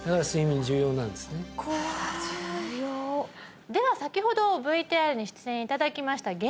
怖い重要では先ほどＶＴＲに出演いただきました